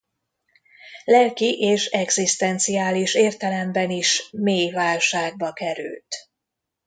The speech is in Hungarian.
Lelki és egzisztenciális értelemben is mély válságba került.